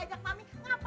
kenapa mau marah